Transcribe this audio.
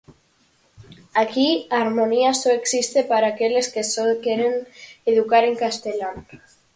Aquí a harmonía só existe para aqueles que só queren educar en castelán.